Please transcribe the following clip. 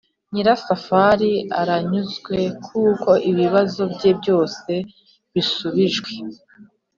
nyirasafari aranyuzwe kuko ibibazo bye byose bishubijwe ;